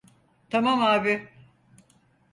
Tamam abi.